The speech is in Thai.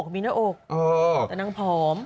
มีหน้าอกแต่นั่งพร้อม